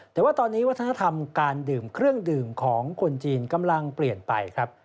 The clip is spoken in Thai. แต่ว่าตอนนี้วัฒนธรรมการดื่มเครื่องดื่มของคนจีนกำลังเปลี่ยนไปครับ